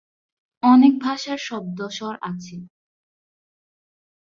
অনেক ভাষার শব্দ স্বর আছে।